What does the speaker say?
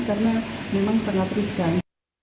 karena memang sangat riskan